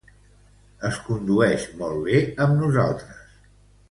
Es condueix molt bé amb nosaltres.